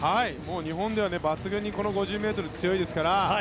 日本では抜群に５０ｍ強いですから。